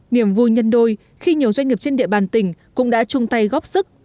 niềm vui nhân đôi khi nhiều doanh nghiệp trên địa bàn tỉnh cũng đã chung tay góp sức